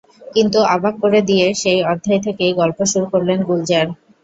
কিন্তু অবাক করে দিয়ে সেই অধ্যায় থেকেই গল্প শুরু করলেন গুলজার।